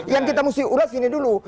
yang kita mesti ulas ini dulu